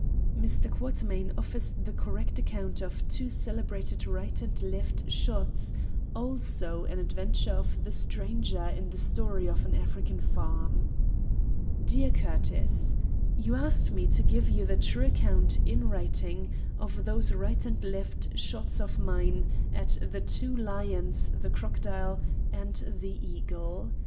Quatermain offers the correct account of two celebrated right and left shots, also an adventure of the stranger in the Story of an African Farm. DEAR CURTIS,—You ask me to give you the true account, in writing, of those right and left shots of mine at the two lions, the crocodile, and the eagle.